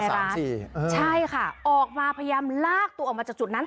พยายามลากกันออกมาจากจุดนั้น